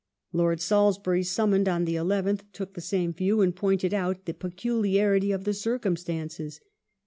Lord Salisbury, summoned on the 11th, took the same view, and pointed out the peculiarity of the circum stances.